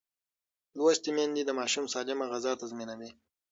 لوستې میندې د ماشوم سالمه غذا تضمینوي.